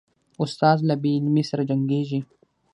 استاد له بې علمۍ سره جنګیږي.